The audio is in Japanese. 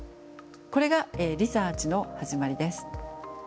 これがリサーチの始まりです。